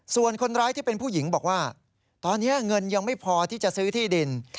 ส่วนคนร้ายที่เป็นผู้หญิงบอกว่าตอนนี้เงินยังไม่พอที่จะซื้อที่ดิน